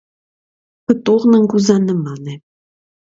Պտուղն ընկուզանման է։